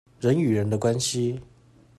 人與人的關係